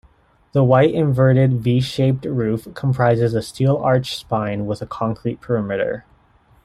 The white inverted v-shaped roof, comprises a steel arch spine with a concrete perimeter.